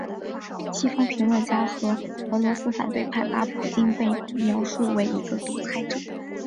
西方评论家和俄罗斯反对派把普京被描述为一个独裁者。